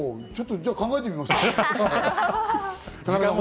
ちょっとじゃあ考えてみます。